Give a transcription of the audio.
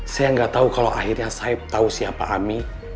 saya yang gak tau kalau akhirnya saib tau siapa ami